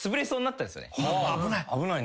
危ないね。